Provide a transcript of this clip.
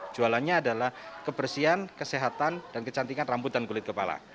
jualannya adalah kebersihan kesehatan dan kecantikan rambut dan kulit kepala